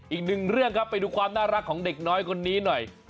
อีกหนึ่งเรื่องครับไปดูความน่ารักของเด็กน้อยคนนี้หน่อย